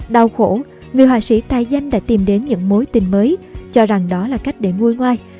đau khổ người họa sĩ tai danh đã tìm đến những mối tin mới cho rằng đó là cách để nguôi ngoai